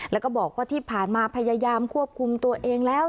แล้วก็บอกว่าที่ผ่านมาพยายามควบคุมตัวเองแล้ว